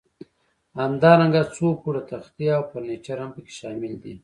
همدارنګه څو پوړه تختې او فرنیچر هم پکې شامل دي.